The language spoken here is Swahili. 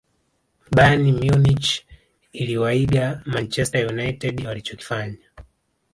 bayern munich iliwaiga manchester united walichokifanya